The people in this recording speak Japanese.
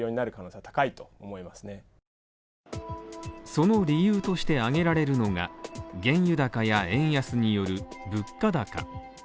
その理由として挙げられるのが原油高や円安による物価高。